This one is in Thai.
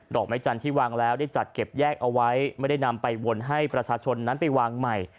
อกไม้จันทร์ที่วางแล้วได้จัดเก็บแยกเอาไว้ไม่ได้นำไปวนให้ประชาชนนั้นไปวางใหม่